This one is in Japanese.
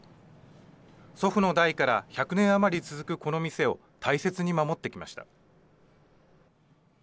祖父の代から１００年余り続くこの店を大切に守ってきました。